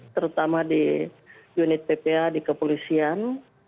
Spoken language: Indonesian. terutama di unit ppa di kepolisian